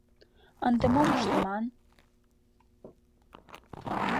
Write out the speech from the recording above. Ынде мом ыштыман?..